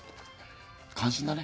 感心だね。